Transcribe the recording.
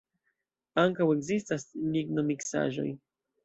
Ankaŭ ekzistas lignomiksaĵoj.